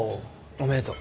おめでとう。